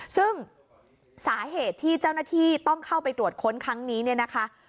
ซึ่งสาเหตุที่เจ้าหน้าที่ต้องเข้าไปตรวจค้นครั้งนี้เนี่ยนะคะ